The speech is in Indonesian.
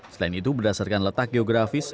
selain itu berdasarkan letak geografis